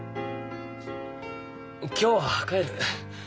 今日は帰る。